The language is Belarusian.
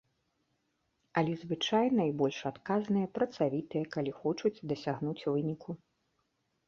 Але звычайна і больш адказныя, працавітыя, калі хочуць дасягнуць выніку.